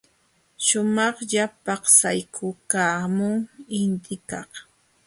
Shumaqlla paksaykaamun intikaq.